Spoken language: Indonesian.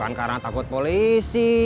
bukan karena takut polisi